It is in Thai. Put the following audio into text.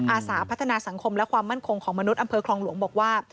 อาสาพัฒนาสังคมและความมั่นคงของมนุษย์อำเภอคลองหลวงบอกว่า